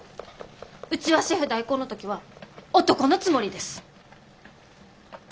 うちはシェフ代行の時は男のつもりです！